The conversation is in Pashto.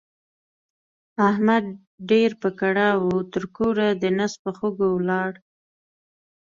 احمد ډېر په کړاو وو؛ تر کوره د نس په خوږو ولاړ.